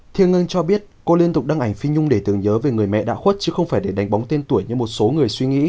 thiêng ngân cho biết cô liên tục đăng ảnh phi nhung để tưởng nhớ về người mẹ đã khuất chứ không phải để đánh bóng tên tuổi như một số người suy nghĩ